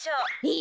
え！？